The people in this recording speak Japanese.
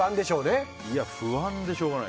不安でしょうがない。